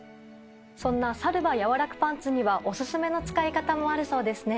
そんな「サルバやわ楽パンツ」にはオススメの使い方もあるそうですね。